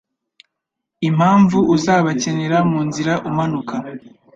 Impamvu uzabakenera munzira umanuka